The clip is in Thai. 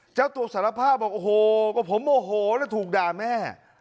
เจ้าตัวสารภาพบอกโอ้โหก็ผมโมโหแล้วถูกด่าแม่